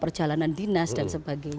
perjalanan dinas dan sebagainya